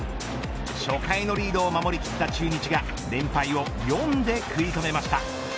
初回のリードを守りきった中日が連敗を４で食い止めました。